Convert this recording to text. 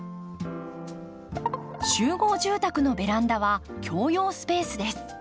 集合住宅のベランダは共用スペースです。